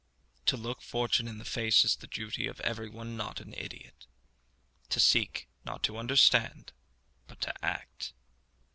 To look fortune in the face is the duty of every one not an idiot; to seek not to understand, but to act.